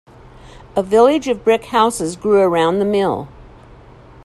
A village of brick houses grew around the mill.